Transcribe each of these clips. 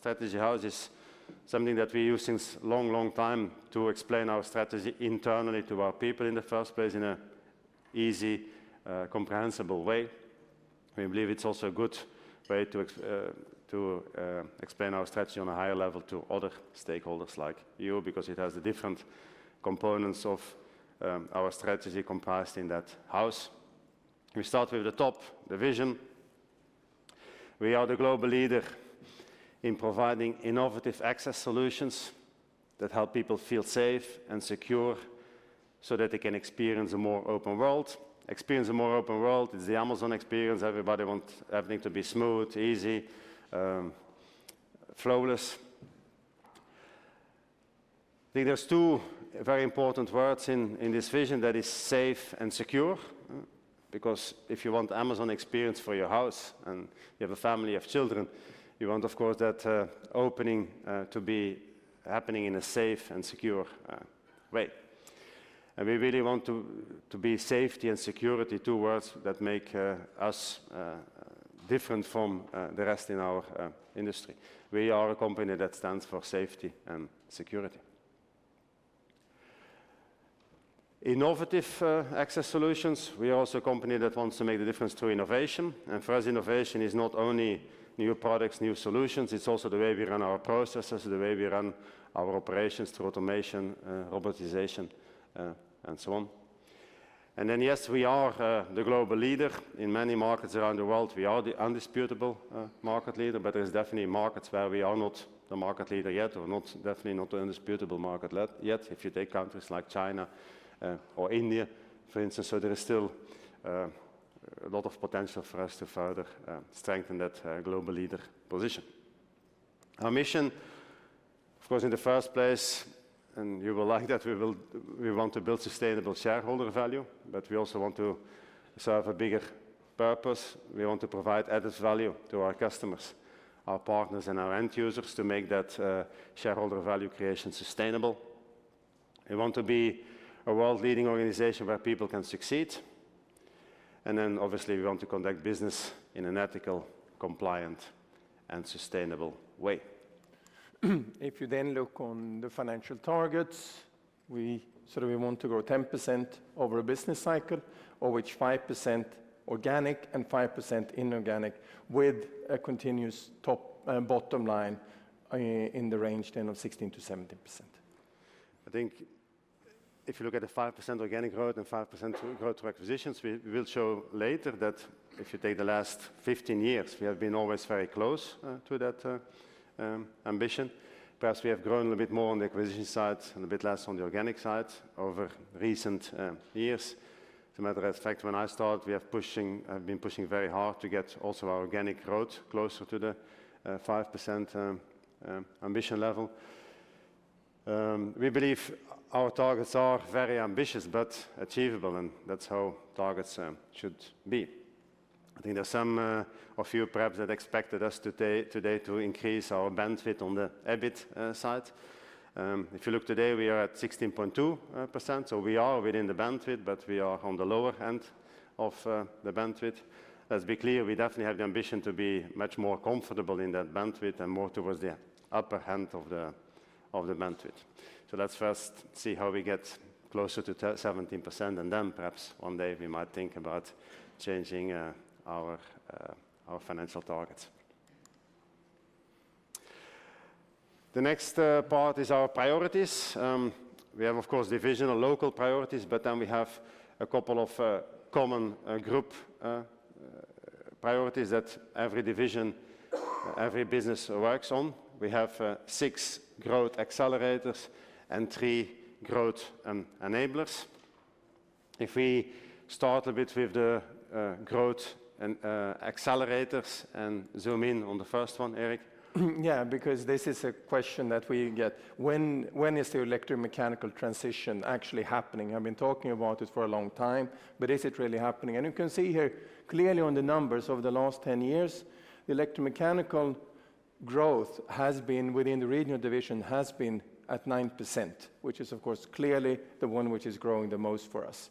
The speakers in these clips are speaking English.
Strategy House is something that we use since a long, long time to explain our strategy internally to our people in the first place in an easy, comprehensible way. We believe it's also a good way to explain our strategy on a higher level to other stakeholders like you, because it has the different components of our strategy comprised in that house. We start with the top, the vision. We are the global leader in providing innovative access solutions that help people feel safe and secure so that they can experience a more open world. Experience a more open world is the Amazon experience. Everybody wants everything to be smooth, easy, flawless. I think there's two very important words in this vision: that is safe and secure, because if you want an Amazon experience for your house and you have a family of children, you want, of course, that opening to be happening in a safe and secure way. We really want to be safety and security, two words that make us different from the rest in our industry. We are a company that stands for safety and security. Innovative access solutions. We are also a company that wants to make the difference through innovation. For us, innovation is not only new products, new solutions. It's also the way we run our processes, the way we run our operations through automation, robotization, and so on. Yes, we are the global leader in many markets around the world. We are the undisputable market leader, but there are definitely markets where we are not the market leader yet, or definitely not the undisputable market yet. If you take countries like China or India, for instance, there is still a lot of potential for us to further strengthen that global leader position. Our mission, of course, in the first place, and you will like that, we want to build sustainable shareholder value, but we also want to serve a bigger purpose. We want to provide added value to our customers, our partners, and our end users to make that shareholder value creation sustainable. We want to be a world-leading organization where people can succeed. Obviously, we want to conduct business in an ethical, compliant, and sustainable way. If you then look on the financial targets, we want to grow 10% over a business cycle, of which 5% organic and 5% inorganic, with a continuous top and bottom line in the range of 16%-17%. I think if you look at the 5% organic growth and 5% growth through acquisitions, we will show later that if you take the last 15 years, we have been always very close to that ambition. Perhaps we have grown a little bit more on the acquisition side and a bit less on the organic side over recent years. As a matter of fact, when I started, we have been pushing very hard to get also our organic growth closer to the 5% ambition level. We believe our targets are very ambitious, but achievable, and that's how targets should be. I think there are some of you, perhaps, that expected us today to increase our bandwidth on the EBIT side. If you look today, we are at 16.2%, so we are within the bandwidth, but we are on the lower end of the bandwidth. Let's be clear, we definitely have the ambition to be much more comfortable in that bandwidth and more towards the upper end of the bandwidth. Let's first see how we get closer to 17%, and then perhaps one day we might think about changing our financial targets. The next part is our priorities. We have, of course, divisional local priorities, but then we have a couple of common group priorities that every division, every business works on. We have six growth accelerators and three growth enablers. If we start a bit with the growth accelerators and zoom in on the first one, Erik. Yeah, because this is a question that we get. When is the electromechanical transition actually happening? I've been talking about it for a long time, but is it really happening? You can see here clearly on the numbers over the last 10 years, the electromechanical growth has been within the regional division has been at 9%, which is, of course, clearly the one which is growing the most for us.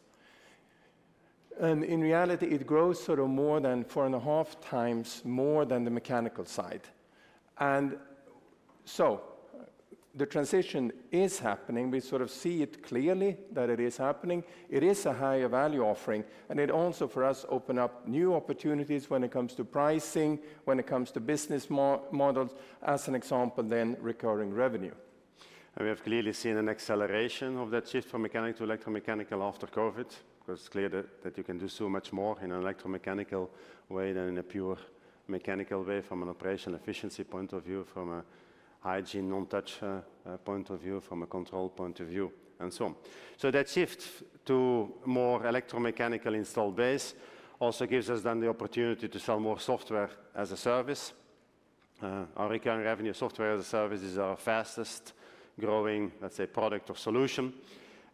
In reality, it grows sort of more than four and a half times more than the mechanical side. The transition is happening. We sort of see it clearly that it is happening. It is a higher value offering, and it also, for us, opens up new opportunities when it comes to pricing, when it comes to business models, as an example, then recurring revenue. We have clearly seen an acceleration of that shift from mechanical to electromechanical after COVID, because it is clear that you can do so much more in an electromechanical way than in a pure mechanical way from an operational efficiency point of view, from a hygiene, non-touch point of view, from a control point of view, and so on. That shift to more electromechanical installed base also gives us the opportunity to sell more software as a service. Our recurring revenue software as a service is our fastest growing, let's say, product or solution.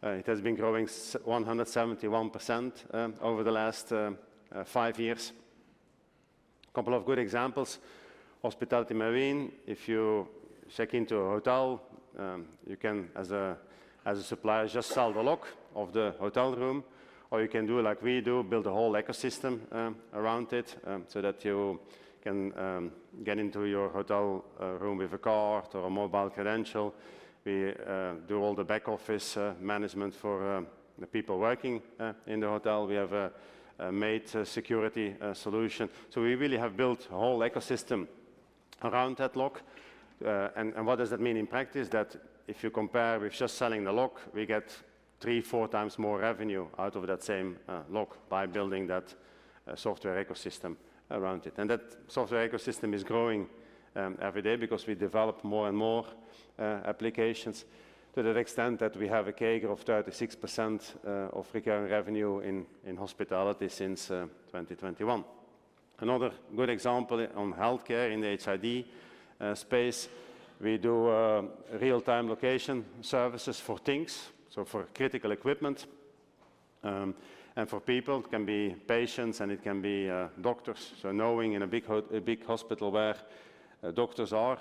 It has been growing 171% over the last five years. A couple of good examples: Hospitality Marine. If you check into a hotel, you can, as a supplier, just sell the lock of the hotel room, or you can do like we do, build a whole ecosystem around it so that you can get into your hotel room with a card or a mobile credential. We do all the back office management for the people working in the hotel. We have a made security solution. We really have built a whole ecosystem around that lock. What does that mean in practice? If you compare with just selling the lock, we get three, four times more revenue out of that same lock by building that software ecosystem around it. That software ecosystem is growing every day because we develop more and more applications to the extent that we have a CAGR of 36% of recurring revenue in hospitality since 2021. Another good example on healthcare in the HID space, we do real-time location services for things, so for critical equipment and for people. It can be patients, and it can be doctors. Knowing in a big hospital where doctors are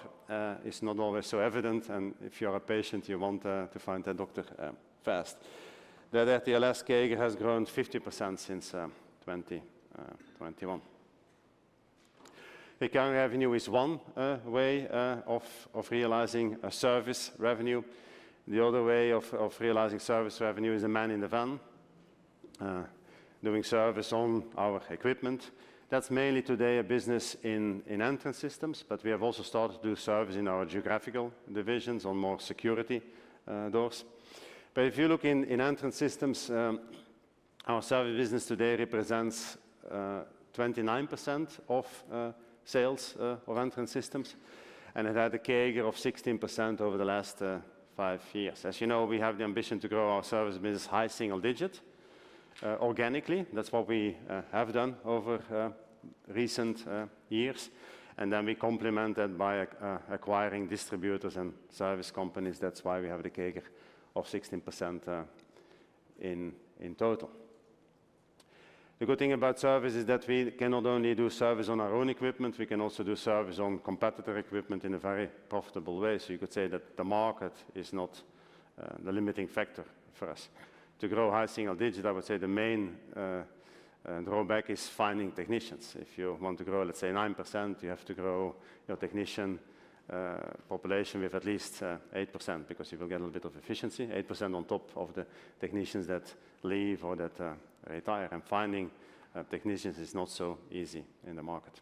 is not always so evident, and if you are a patient, you want to find that doctor fast. That at the last CAGR has grown 50% since 2021. Recurring revenue is one way of realizing service revenue. The other way of realizing service revenue is a man in the van doing service on our equipment. That's mainly today a business in entrance systems, but we have also started to do service in our geographical divisions on more security doors. If you look in entrance systems, our service business today represents 29% of sales of entrance systems, and it had a CAGR of 16% over the last five years. As you know, we have the ambition to grow our service business high single digit organically. That is what we have done over recent years. We complement that by acquiring distributors and service companies. That is why we have the CAGR of 16% in total. The good thing about service is that we can not only do service on our own equipment, we can also do service on competitor equipment in a very profitable way. You could say that the market is not the limiting factor for us. To grow high single digit, I would say the main drawback is finding technicians. If you want to grow, let's say, 9%, you have to grow your technician population with at least 8% because you will get a little bit of efficiency, 8% on top of the technicians that leave or that retire. Finding technicians is not so easy in the market.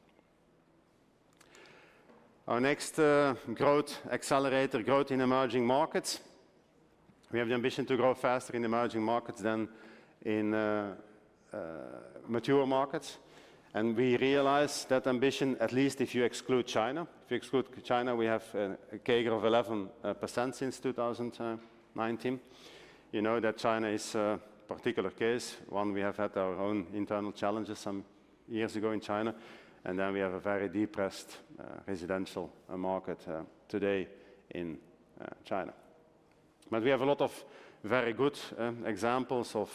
Our next growth accelerator is growth in emerging markets. We have the ambition to grow faster in emerging markets than in mature markets. We realize that ambition, at least if you exclude China. If you exclude China, we have a CAGR of 11% since 2019. You know that China is a particular case. One, we have had our own internal challenges some years ago in China, and we have a very depressed residential market today in China. We have a lot of very good examples of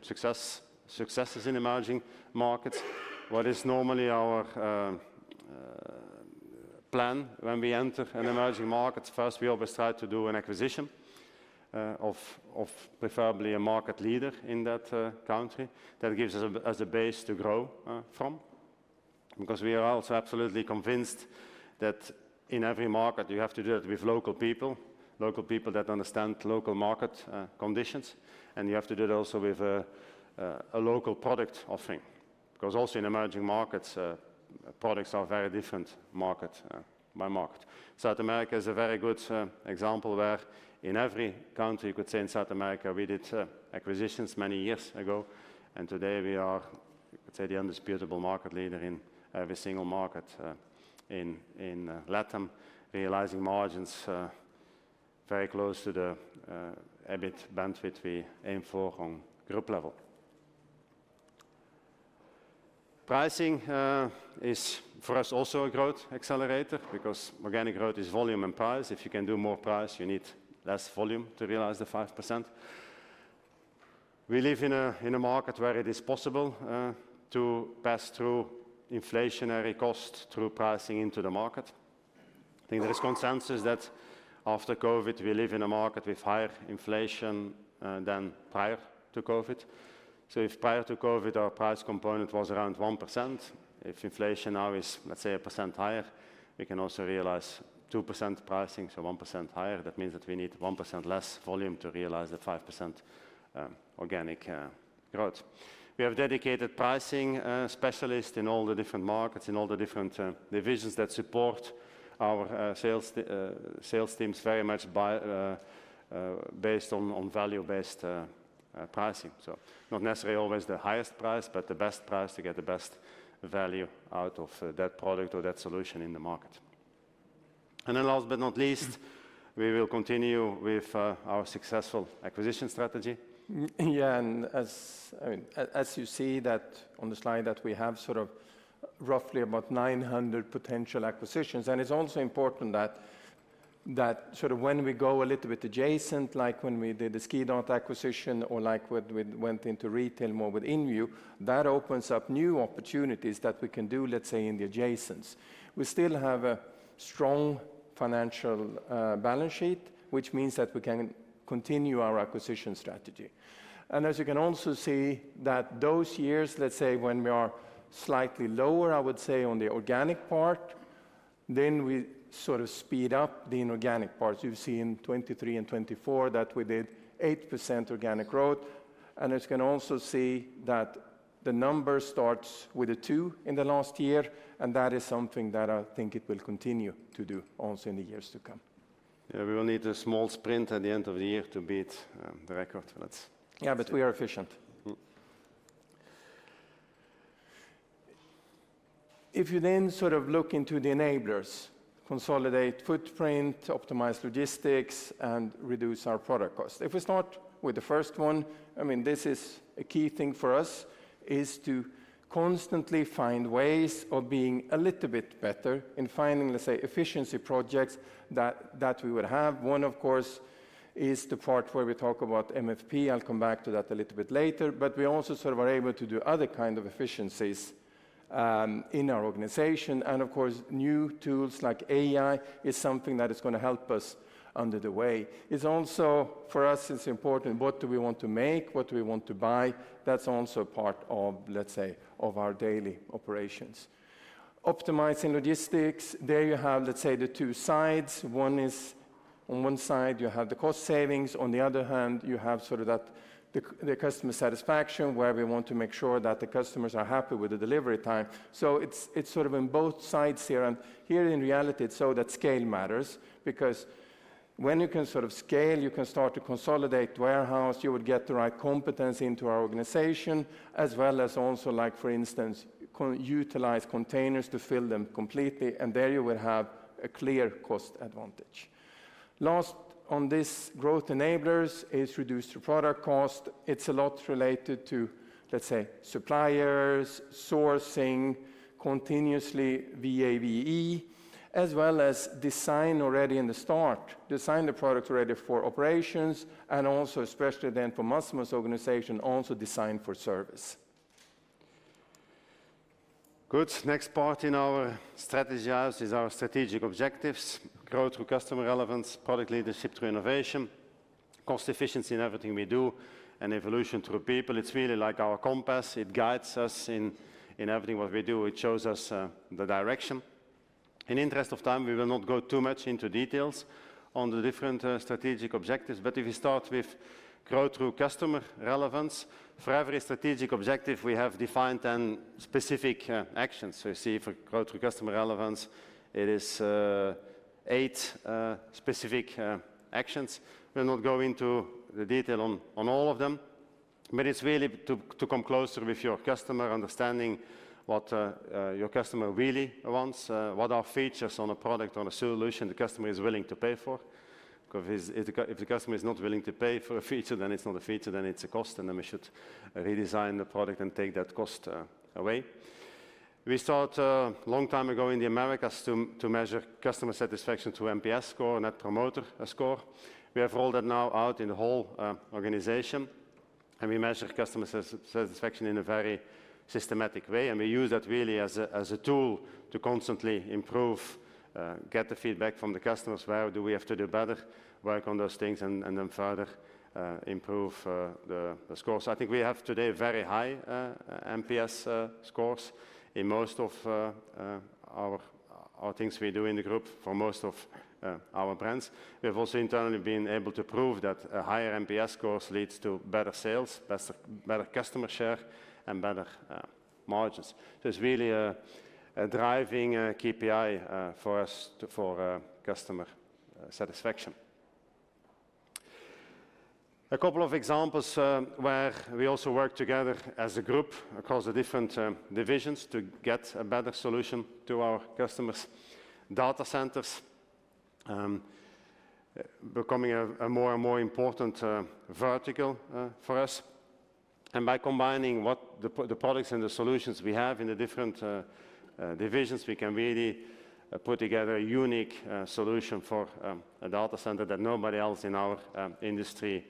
successes in emerging markets. What is normally our plan when we enter an emerging market? First, we always try to do an acquisition of preferably a market leader in that country that gives us a base to grow from, because we are also absolutely convinced that in every market you have to do it with local people, local people that understand local market conditions, and you have to do it also with a local product offering, because also in emerging markets, products are very different market by market. South America is a very good example where in every country, you could say in South America, we did acquisitions many years ago, and today we are, you could say, the undisputable market leader in every single market in LATAM, realizing margins very close to the EBIT bandwidth we aim for on group level. Pricing is for us also a growth accelerator, because organic growth is volume and price. If you can do more price, you need less volume to realize the 5%. We live in a market where it is possible to pass through inflationary cost through pricing into the market. I think there is consensus that after COVID, we live in a market with higher inflation than prior to COVID. If prior to COVID our price component was around 1%, if inflation now is, let's say, a percent higher, we can also realize 2% pricing, so 1% higher. That means that we need 1% less volume to realize the 5% organic growth. We have dedicated pricing specialists in all the different markets, in all the different divisions that support our sales teams very much based on value-based pricing. Not necessarily always the highest price, but the best price to get the best value out of that product or that solution in the market. Last but not least, we will continue with our successful acquisition strategy. Yeah, and as you see that on the slide that we have sort of roughly about 900 potential acquisitions. It is also important that sort of when we go a little bit adjacent, like when we did the SkiData acquisition or like we went into retail more with InVue, that opens up new opportunities that we can do, let's say, in the adjacence. We still have a strong financial balance sheet, which means that we can continue our acquisition strategy. As you can also see, those years, let's say, when we are slightly lower, I would say, on the organic part, then we sort of speed up the inorganic part. You've seen 2023 and 2024 that we did 8% organic growth. As you can also see, the number starts with a two in the last year, and that is something that I think it will continue to do also in the years to come. Yeah, we will need a small sprint at the end of the year to beat the record. Yeah, but we are efficient. If you then sort of look into the enablers, consolidate footprint, optimize logistics, and reduce our product cost. If we start with the first one, I mean, this is a key thing for us, is to constantly find ways of being a little bit better in finding, let's say, efficiency projects that we would have. One, of course, is the part where we talk about MFP. I'll come back to that a little bit later, but we also sort of are able to do other kinds of efficiencies in our organization. Of course, new tools like AI is something that is going to help us under the way. It's also for us, it's important, what do we want to make, what do we want to buy? That's also part of, let's say, of our daily operations. Optimizing logistics, there you have, let's say, the two sides. One is on one side, you have the cost savings. On the other hand, you have sort of that customer satisfaction where we want to make sure that the customers are happy with the delivery time. It is sort of in both sides here. Here in reality, it is so that scale matters, because when you can sort of scale, you can start to consolidate warehouse. You would get the right competence into our organization, as well as also, like for instance, utilize containers to fill them completely, and there you would have a clear cost advantage. Last on these growth enablers is reduced product cost. It's a lot related to, let's say, suppliers, sourcing, continuously VAVE, as well as design already in the start, design the product already for operations, and also especially then for mass organization, also design for service. Good. Next part in our strategy house is our strategic objectives: growth through customer relevance, product leadership through innovation, cost efficiency in everything we do, and evolution through people. It's really like our compass. It guides us in everything we do. It shows us the direction. In interest of time, we will not go too much into details on the different strategic objectives, but if you start with growth through customer relevance, for every strategic objective, we have defined then specific actions. You see for growth through customer relevance, it is eight specific actions. We'll not go into the detail on all of them, but it's really to come closer with your customer, understanding what your customer really wants, what are features on a product or a solution the customer is willing to pay for. Because if the customer is not willing to pay for a feature, then it's not a feature, then it's a cost, and then we should redesign the product and take that cost away. We started a long time ago in the Americas to measure customer satisfaction through NPS score and net promoter score. We have rolled that now out in the whole organization, and we measure customer satisfaction in a very systematic way. We use that really as a tool to constantly improve, get the feedback from the customers, where do we have to do better, work on those things, and then further improve the scores. I think we have today very high NPS scores in most of our things we do in the group for most of our brands. We have also internally been able to prove that a higher NPS score leads to better sales, better customer share, and better margins. It is really a driving KPI for us for customer satisfaction. A couple of examples where we also work together as a group across the different divisions to get a better solution to our customers: data centers are becoming a more and more important vertical for us. By combining the products and the solutions we have in the different divisions, we can really put together a unique solution for a data center that nobody else in our industry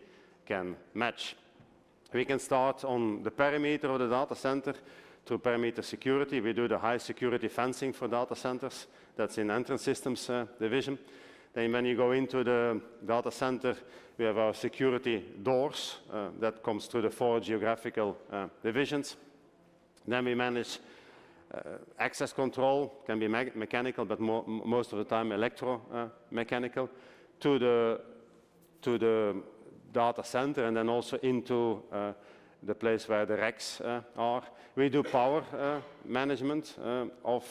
can match. We can start on the perimeter of the data center through perimeter security. We do the high security fencing for data centers. That is in the entrance systems division. When you go into the data center, we have our security doors that come through the four geographical divisions. We manage access control. It can be mechanical, but most of the time electromechanical, to the data center and also into the place where the racks are. We do power management of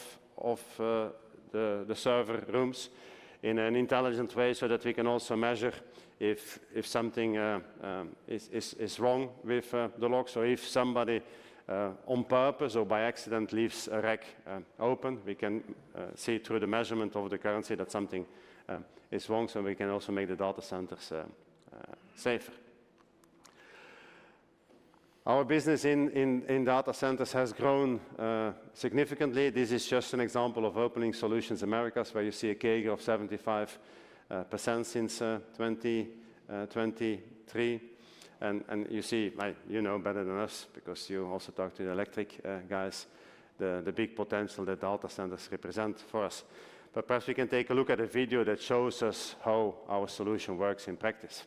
the server rooms in an intelligent way so that we can also measure if something is wrong with the logs. If somebody on purpose or by accident leaves a rack open, we can see through the measurement of the currency that something is wrong, so we can also make the data centers safer. Our business in data centers has grown significantly. This is just an example of opening solutions in Americas where you see a CAGR of 75% since 2023. You see, you know better than us because you also talk to the electric guys, the big potential that data centers represent for us. Perhaps we can take a look at a video that shows us how our solution works in practice.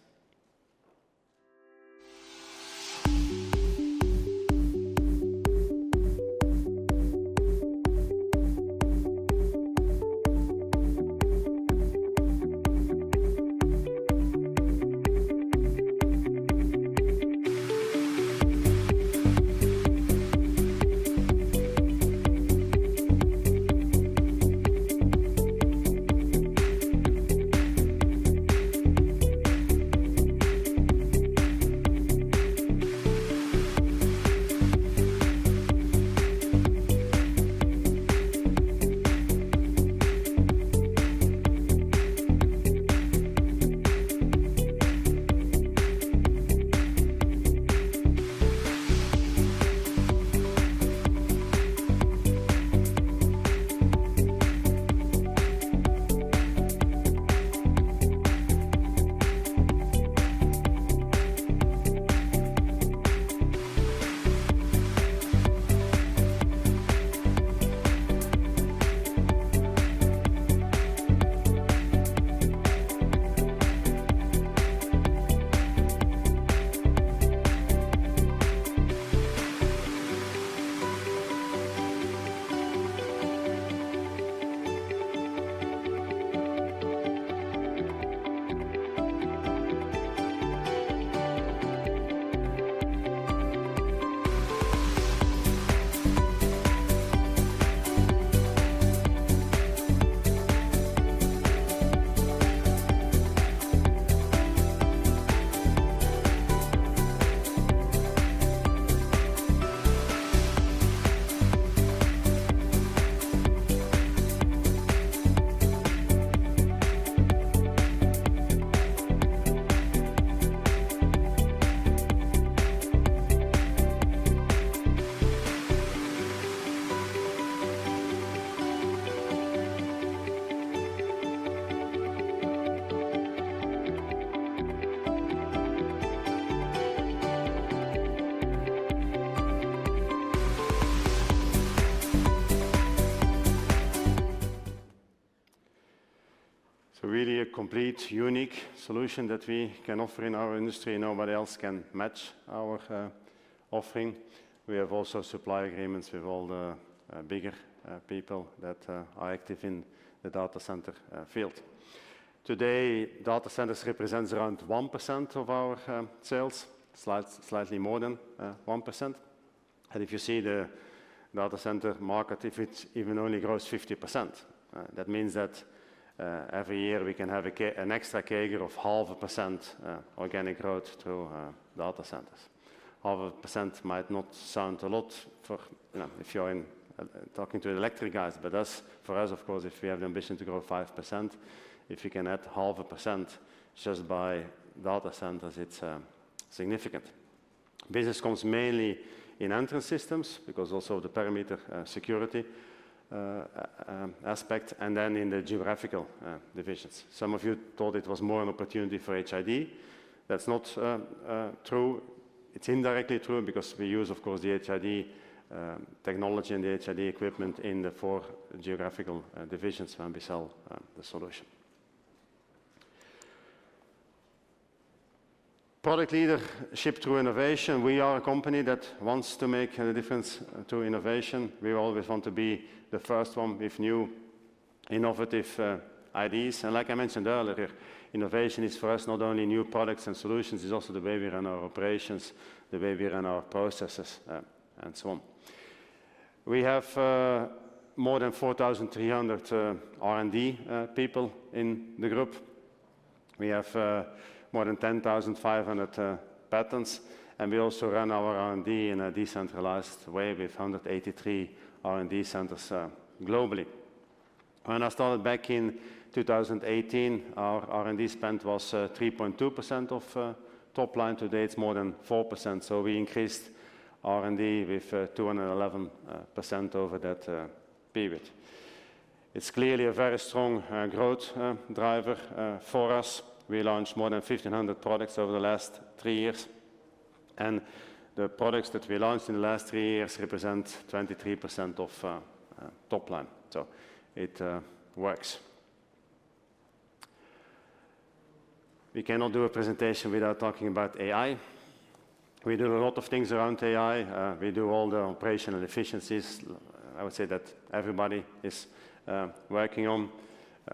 It is really a completely unique solution that we can offer in our industry. Nobody else can match our offering. We have also supply agreements with all the bigger people that are active in the data center field. Today, data centers represent around 1% of our sales, slightly more than 1%. If you see the data center market, if it even only grows 50%, that means that every year we can have an extra CAGR of 0.5% organic growth through data centers. 0.5% might not sound like a lot if you're talking to electric guys, but for us, of course, if we have the ambition to grow 5%, if you can add 0.5% just by data centers, it's significant. Business comes mainly in entrance systems because also of the perimeter security aspect, and then in the geographical divisions. Some of you thought it was more an opportunity for HID. That's not true. It's indirectly true because we use, of course, the HID technology and the HID equipment in the four geographical divisions when we sell the solution. Product leadership through innovation. We are a company that wants to make a difference through innovation. We always want to be the first one with new innovative ideas. Like I mentioned earlier, innovation is for us not only new products and solutions, it's also the way we run our operations, the way we run our processes, and so on. We have more than 4,300 R&D people in the group. We have more than 10,500 patents, and we also run our R&D in a decentralized way with 183 R&D centers globally. When I started back in 2018, our R&D spend was 3.2% of top line. Today, it's more than 4%. We increased R&D with 211% over that period. It's clearly a very strong growth driver for us. We launched more than 1,500 products over the last three years, and the products that we launched in the last three years represent 23% of top line. It works. We cannot do a presentation without talking about AI. We do a lot of things around AI. We do all the operational efficiencies. I would say that everybody is working on.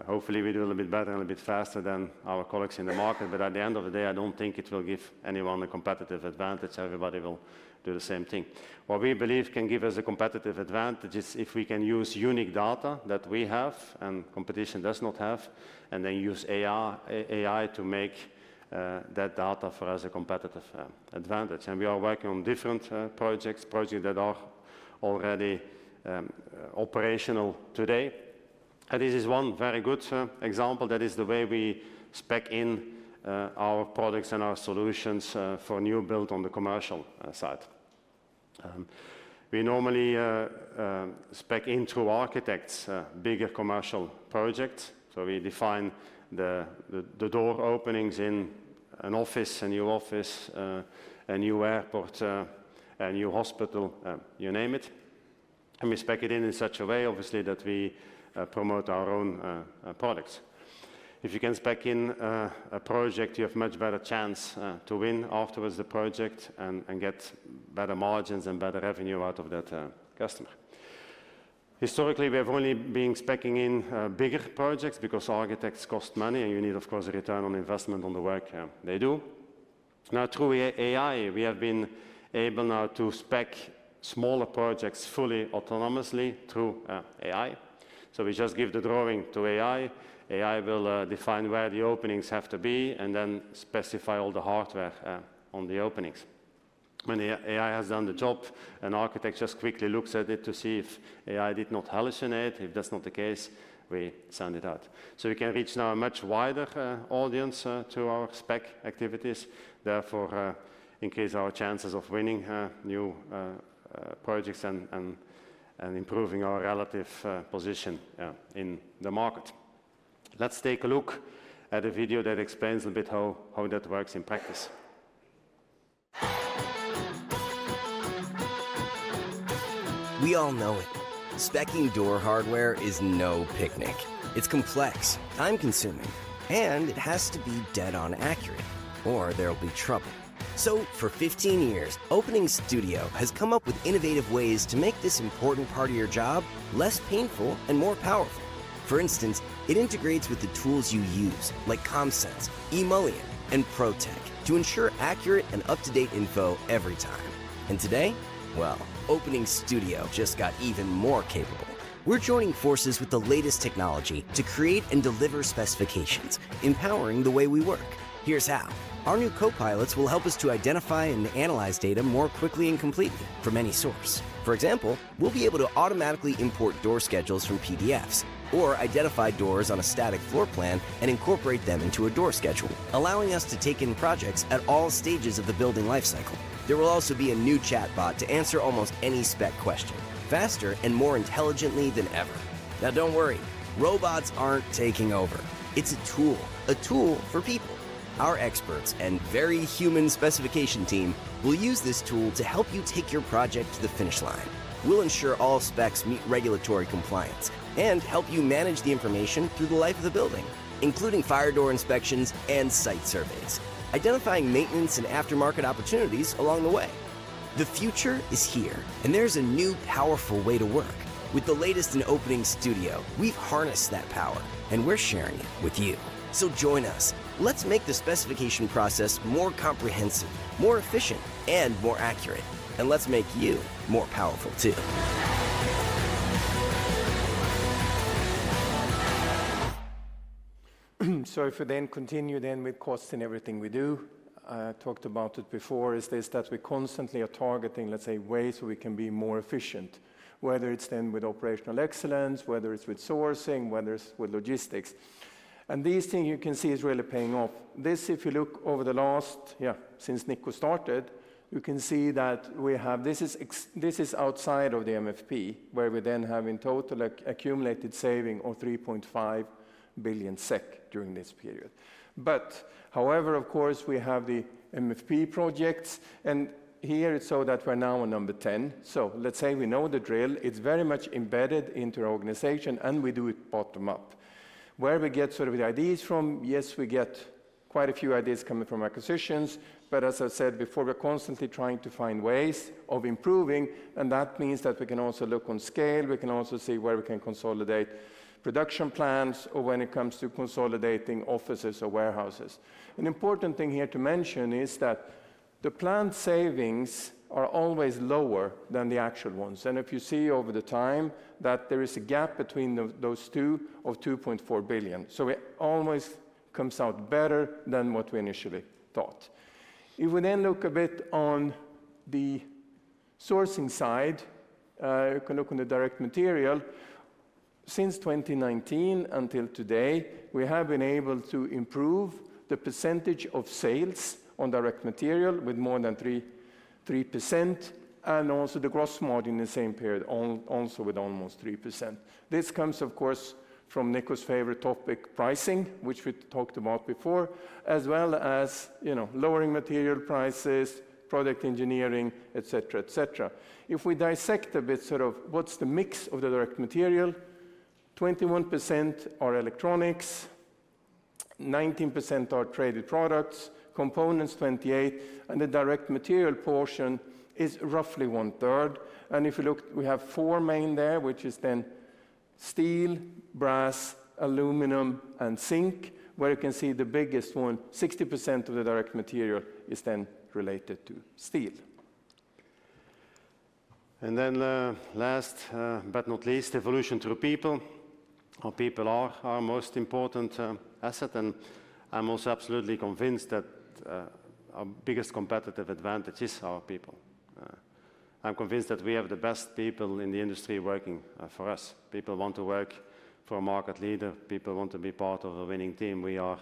Hopefully, we do a little bit better and a little bit faster than our colleagues in the market. At the end of the day, I don't think it will give anyone a competitive advantage. Everybody will do the same thing. What we believe can give us a competitive advantage is if we can use unique data that we have and competition does not have, and then use AI to make that data for us a competitive advantage. We are working on different projects, projects that are already operational today. This is one very good example. That is the way we spec in our products and our solutions for new build on the commercial side. We normally spec in through architects, bigger commercial projects. We define the door openings in an office, a new office, a new airport, a new hospital, you name it. We spec it in in such a way, obviously, that we promote our own products. If you can spec in a project, you have a much better chance to win afterwards the project and get better margins and better revenue out of that customer. Historically, we have only been speccing in bigger projects because architects cost money, and you need, of course, a return on investment on the work they do. Now, through AI, we have been able now to spec smaller projects fully autonomously through AI. We just give the drawing to AI. AI will define where the openings have to be and then specify all the hardware on the openings. When the AI has done the job, an architect just quickly looks at it to see if AI did not hallucinate it. If that's not the case, we send it out. We can reach now a much wider audience through our spec activities. Therefore, increase our chances of winning new projects and improving our relative position in the market. Let's take a look at a video that explains a bit how that works in practice. We all know it. Spec'ing door hardware is no picnic. It's complex, time-consuming, and it has to be dead on accurate, or there'll be trouble. For 15 years, Opening Studio has come up with innovative ways to make this important part of your job less painful and more powerful. For instance, it integrates with the tools you use, like CommSense, E-molien, and ProTech, to ensure accurate and up-to-date info every time. Today, Opening Studio just got even more capable. We're joining forces with the latest technology to create and deliver specifications, empowering the way we work. Here's how. Our new copilots will help us to identify and analyze data more quickly and completely from any source. For example, we'll be able to automatically import door schedules from PDFs or identify doors on a static floor plan and incorporate them into a door schedule, allowing us to take in projects at all stages of the building life cycle. There will also be a new chatbot to answer almost any spec question faster and more intelligently than ever. Now, don't worry. Robots aren't taking over. It's a tool, a tool for people. Our experts and very human specification team will use this tool to help you take your project to the finish line. We'll ensure all specs meet regulatory compliance and help you manage the information through the life of the building, including fire door inspections and site surveys, identifying maintenance and aftermarket opportunities along the way. The future is here, and there's a new powerful way to work. With the latest in Opening Studio, we've harnessed that power, and we're sharing it with you. Join us. Let's make the specification process more comprehensive, more efficient, and more accurate. Let's make you more powerful too. If we then continue with costs and everything we do, I talked about it before, is this that we constantly are targeting, let's say, ways we can be more efficient, whether it's then with operational excellence, whether it's with sourcing, whether it's with logistics. These things you can see are really paying off. If you look over the last, yeah, since Nico started, you can see that we have, this is outside of the MFP, where we then have in total accumulated saving of 3.5 billion SEK during this period. However, of course, we have the MFP projects, and here it's so that we're now on number 10. Let's say we know the drill. It's very much embedded into our organization, and we do it bottom up. Where do we get sort of the ideas from? Yes, we get quite a few ideas coming from acquisitions, but as I said before, we're constantly trying to find ways of improving, and that means that we can also look on scale. We can also see where we can consolidate production plans or when it comes to consolidating offices or warehouses. An important thing here to mention is that the planned savings are always lower than the actual ones. If you see over the time that there is a gap between those two of 2.4 billion, it always comes out better than what we initially thought. If we then look a bit on the sourcing side, you can look on the direct material. Since 2019 until today, we have been able to improve the percentage of sales on direct material with more than 3%, and also the gross margin in the same period, also with almost 3%. This comes, of course, from Nico's favorite topic, pricing, which we talked about before, as well as lowering material prices, product engineering, et cetera, et cetera. If we dissect a bit sort of what's the mix of the direct material, 21% are electronics, 19% are traded products, components 28%, and the direct material portion is roughly one third. If you look, we have four main there, which is then steel, brass, aluminum, and zinc, where you can see the biggest one, 60% of the direct material is then related to steel. Last but not least, evolution through people. Our people are our most important asset, and I'm also absolutely convinced that our biggest competitive advantage is our people. I'm convinced that we have the best people in the industry working for us. People want to work for a market leader. People want to be part of a winning team. We are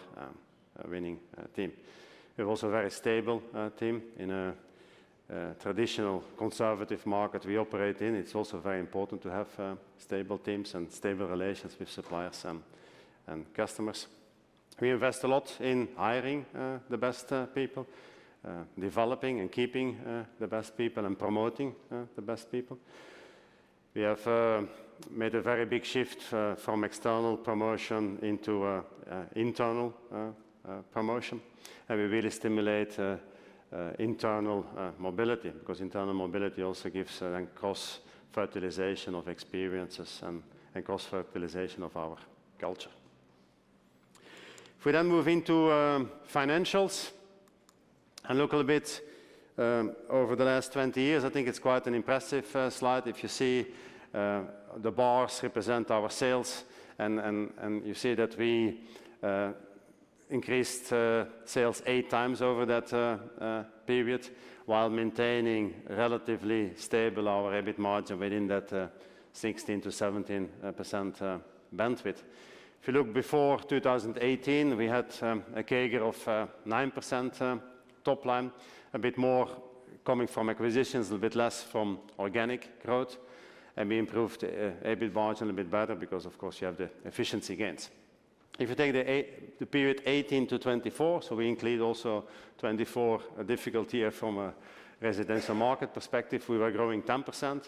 a winning team. We're also a very stable team in a traditional conservative market we operate in. It's also very important to have stable teams and stable relations with suppliers and customers. We invest a lot in hiring the best people, developing and keeping the best people, and promoting the best people. We have made a very big shift from external promotion into internal promotion, and we really stimulate internal mobility because internal mobility also gives a cross-fertilization of experiences and cross-fertilization of our culture. If we then move into financials and look a bit over the last 20 years, I think it's quite an impressive slide. If you see the bars represent our sales, and you see that we increased sales eight times over that period while maintaining relatively stable our EBIT margin within that 16%-17% bandwidth. If you look before 2018, we had a CAGR of 9% top line, a bit more coming from acquisitions, a little bit less from organic growth, and we improved EBIT margin a bit better because, of course, you have the efficiency gains. If you take the period 2018 to 2024, so we include also 2024 difficult year from a residential market perspective, we were growing 10%,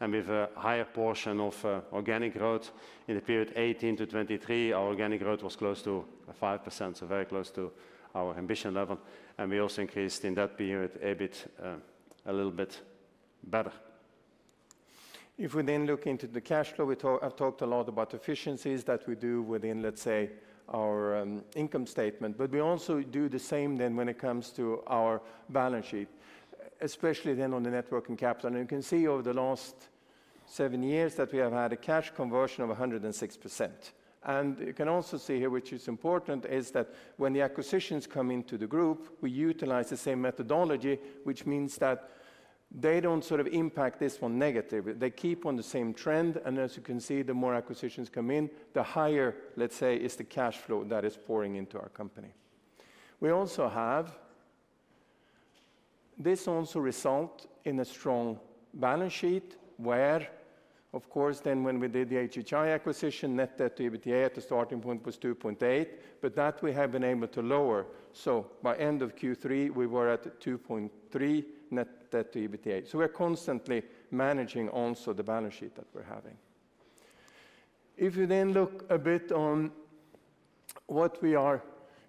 and we have a higher portion of organic growth. In the period 2018 to 2023, our organic growth was close to 5%, so very close to our ambition level, and we also increased in that period EBIT a little bit better. If we then look into the cash flow, we talked a lot about efficiencies that we do within, let's say, our income statement, but we also do the same then when it comes to our balance sheet, especially then on the networking capital. You can see over the last seven years that we have had a cash conversion of 106%. You can also see here, which is important, is that when the acquisitions come into the group, we utilize the same methodology, which means that they do not sort of impact this one negatively. They keep on the same trend, and as you can see, the more acquisitions come in, the higher, let's say, is the cash flow that is pouring into our company. We also have this also result in a strong balance sheet where, of course, then when we did the HHI acquisition, net debt to EBITDA at the starting point was 2.8, but that we have been able to lower. By end of Q3, we were at 2.3 net debt to EBITDA. We're constantly managing also the balance sheet that we're having. If you then look a bit on what we are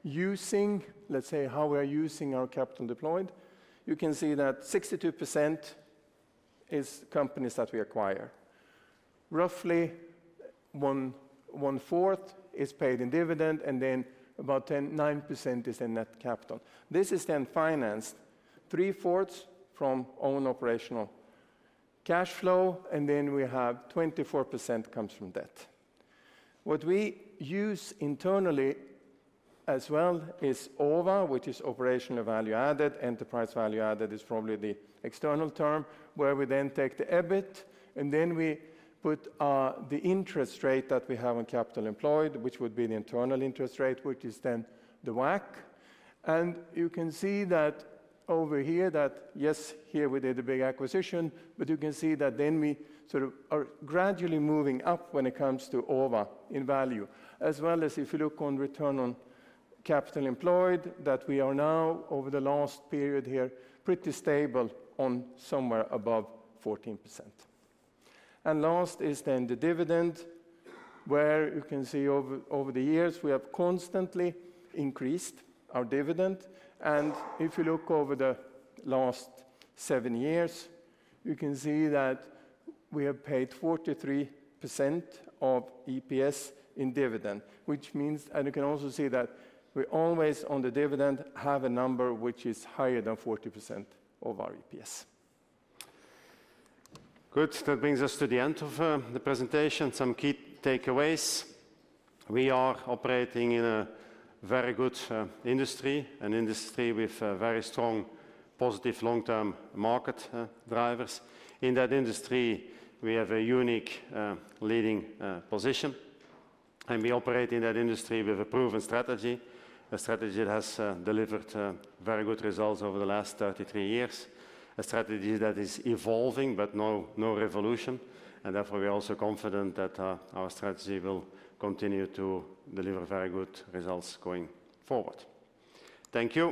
using, let's say how we are using our capital deployed, you can see that 62% is companies that we acquire. Roughly one fourth is paid in dividend, and then about 9% is in net capital. This is then financed three fourths from own operational cash flow, and then we have 24% comes from debt. What we use internally as well is OVA, which is operational value added. Enterprise value added is probably the external term where we then take the EBIT, and then we put the interest rate that we have on capital employed, which would be the internal interest rate, which is then the WACC. You can see that over here that yes, here we did a big acquisition, but you can see that then we sort of are gradually moving up when it comes to OVA in value. As well as if you look on return on capital employed, that we are now over the last period here pretty stable on somewhere above 14%. Last is then the dividend where you can see over the years we have constantly increased our dividend. If you look over the last seven years, you can see that we have paid 43% of EPS in dividend, which means, and you can also see that we always on the dividend have a number which is higher than 40% of our EPS. Good. That brings us to the end of the presentation. Some key takeaways. We are operating in a very good industry, an industry with very strong positive long-term market drivers. In that industry, we have a unique leading position, and we operate in that industry with a proven strategy, a strategy that has delivered very good results over the last 33 years, a strategy that is evolving, but no revolution. Therefore, we are also confident that our strategy will continue to deliver very good results going forward. Thank you.